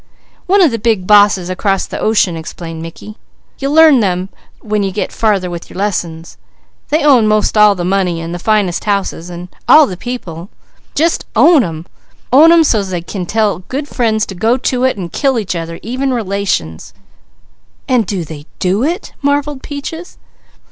"One of the big bosses across the ocean," explained Mickey. "You'll learn them when you get farther with your lessons. They own most all the money, and the finest houses, and all the people. Just own them. Own them so's they can tell good friends to go to it, and kill each other, even relations." "And do they do it?" marvelled Peaches.